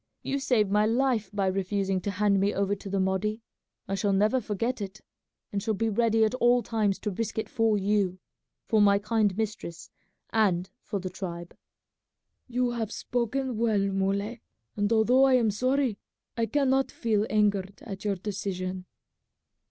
You saved my life by refusing to hand me over to the Mahdi. I shall never forget it, and shall be ready at all times to risk it for you, for my kind mistress, and for the tribe." "You have spoken well, Muley, and although I am sorry, I cannot feel angered at your decision."